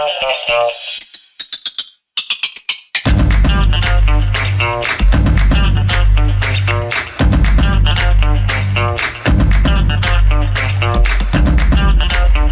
มันร้อนมันร้อน